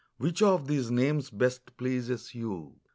Which of these names best pleases you'?